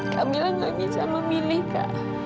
kak mila gak bisa memilih kak